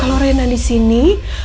kalau rena di sini